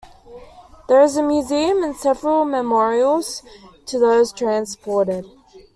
There is a museum and several memorials to those transported.